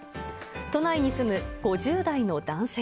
都内に住む５０代の男性。